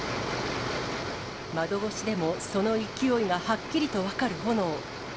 窓越しでもその勢いがはっきりと分かる炎。